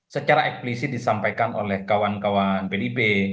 secara eksplisit disampaikan oleh kawan kawan pdip